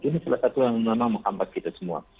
ini salah satu yang memang menghambat kita semua